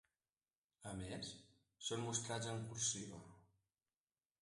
A més, són mostrats en cursiva.